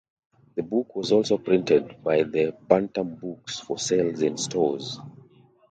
The book was also printed by and Bantam Books for sales in stores.